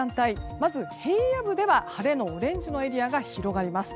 まず、平野部では晴れのオレンジのエリアが広がります。